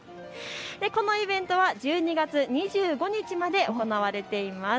このイベントは１２月２５日まで行われています。